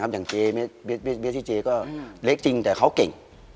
อย่างเจ๊เมซแบร์ที่เจ๊เล็กจริงแต่เค้าเก่ง